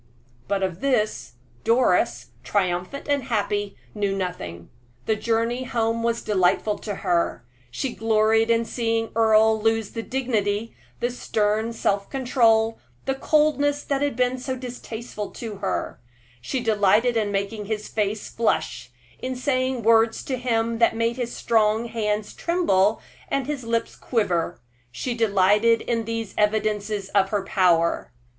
But of this, Doris, triumphant and happy, knew nothing. That journey home was delightful to her. She gloried in seeing Earle lose the dignity, the stern self control, the coldness that had been so distasteful to her; she delighted in making his face flush, in saying words to him that made his strong hands tremble and his lips quiver; she delighted in these evidences of her power.